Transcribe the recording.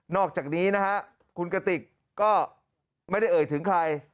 อกจากนี้นะฮะคุณกติกก็ไม่ได้เอ่ยถึงใคร